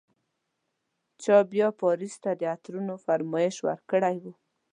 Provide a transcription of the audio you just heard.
چا بیا پاریس ته د عطرونو فرمایش ورکړی و.